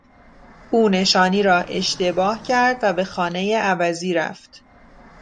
او نشانی را اشتباه کرد و به خانهی عوضی رفت.